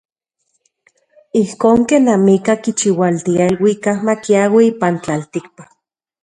Ijkon ken amikaj kichiualtia iluikak makiaui ipan tlatikpak.